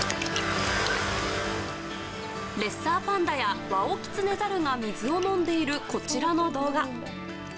レッサーパンダやワオキツネザルが水を飲んでいる、こちらの動画。